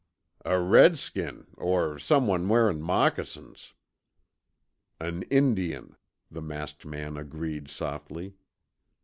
"A redskin, or someone wearin' moccasins." "An Indian," the masked man agreed softly.